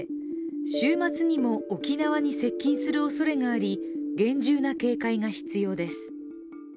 週末にも沖縄に接近するおそれがあり厳重な警戒が必要です。